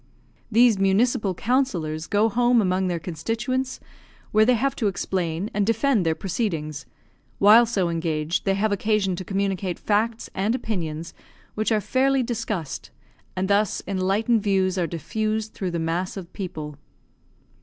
These municipal councillors go home among their constituents, where they have to explain and defend their proceedings; while so engaged, they have occasion to communicate facts and opinions, which are fairly discussed, and thus enlightened views are diffused through the mass of people.